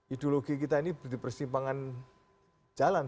ideologi kita ini di persimpangan jalan